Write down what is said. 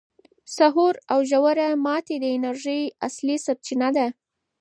سحور او روژه ماتي د انرژۍ اصلي سرچینه ده.